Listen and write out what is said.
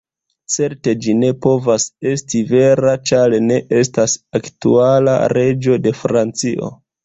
Certe ĝi ne povas esti vera, ĉar ne estas aktuala reĝo de Francio.